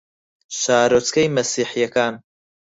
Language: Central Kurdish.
شارۆچکەی مەسیحییەکان